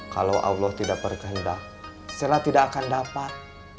kalau allah tidak berkehendak sila tidak akan dapat